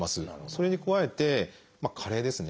それに加えて加齢ですね。